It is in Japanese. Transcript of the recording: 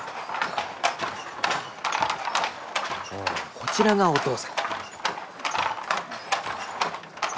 こちらがお父さん。